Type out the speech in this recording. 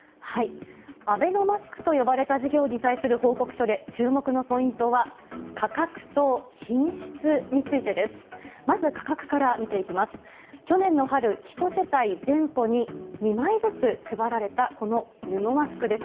アベノマスクと呼ばれた事業に対する報告書で注目のポイントは、価格と品質についてです。まず価格から見ていきます。